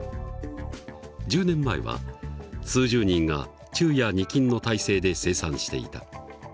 １０年前は数十人が昼夜２勤の体制で生産していた。